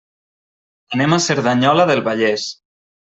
Anem a Cerdanyola del Vallès.